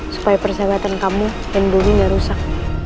supaya persahabatan kamu dan bumi gak rusak